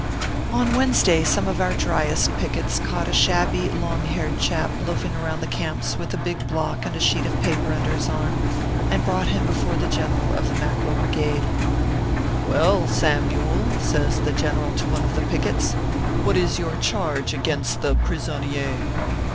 On Wednesday, some of our dryest pickets caught a shabby, long haired chap loafing around the camps with a big block and sheet of paper under his arm, ORPHEUS C. KERB PAPERS. 193 and brought him before the general of the Mackerel Brigade. " Well, Samyule," says the general to one of the pickets, " what is your charge against the prisonier